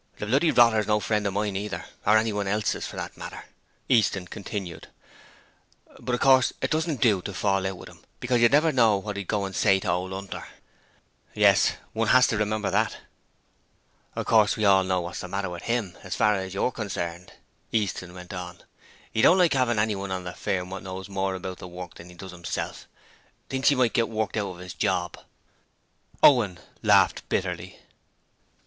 'The bloody rotter's no friend of mine either, or anyone else's, for that matter,' Easton continued, 'but of course it doesn't do to fall out with 'im because you never know what he'd go and say to ol' 'Unter.' 'Yes, one has to remember that.' 'Of course we all know what's the matter with 'im as far as YOU'RE concerned,' Easton went on. 'He don't like 'avin' anyone on the firm wot knows more about the work than 'e does 'imself thinks 'e might git worked out of 'is job.' Owen laughed bitterly.